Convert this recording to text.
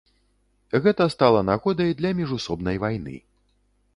Гэта стала нагодай для міжусобнай вайны.